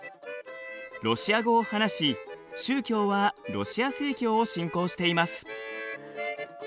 ロシア語を話し宗教はロシア正教を信仰しています。